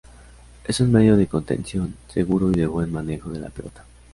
Es un medio de contención, seguro y de buen manejo de la pelota.